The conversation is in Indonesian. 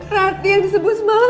rati yang disebut semalam